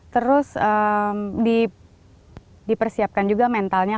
terus dipersiapkan juga mentalnya